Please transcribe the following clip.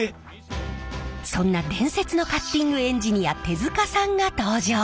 そんな伝説のカッティングエンジニア手塚さんが登場！